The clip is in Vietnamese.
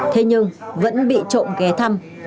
thế nhưng vẫn bị trộm ghé thăm